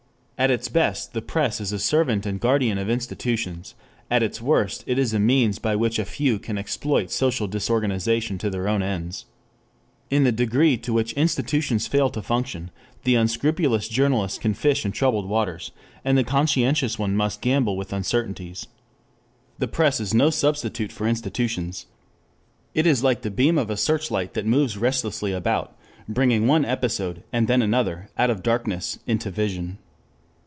At its best the press is a servant and guardian of institutions; at its worst it is a means by which a few exploit social disorganization to their own ends. In the degree to which institutions fail to function, the unscrupulous journalist can fish in troubled waters, and the conscientious one must gamble with uncertainties. The press is no substitute for institutions. It is like the beam of a searchlight that moves restlessly about, bringing one episode and then another out of darkness into vision.